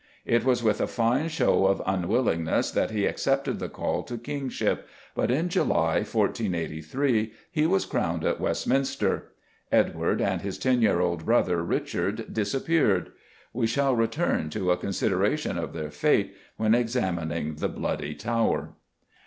It was with a fine show of unwillingness that he accepted the call to kingship, but in July, 1483, he was crowned at Westminster. Edward, and his ten year old brother, Richard, disappeared. We shall return to a consideration of their fate when examining the Bloody Tower.